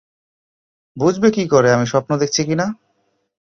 বুঝবে কী করে আমি স্বপ্ন দেখছি কি না?